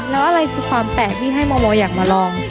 แล้วอะไรคือความแปลกที่ให้โมโมอยากมาลอง